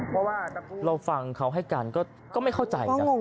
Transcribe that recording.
เพราะว่าเราฟังเขาให้การก็ไม่เข้าใจนะ